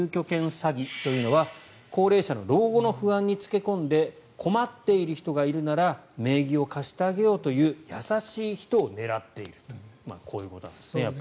詐欺というのは高齢者の老後の不安に付け込んで困っている人がいるなら名義を貸してあげようという優しい人を狙っているというこういうことなんですね。